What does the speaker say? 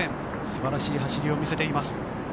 素晴らしい走りを見せています。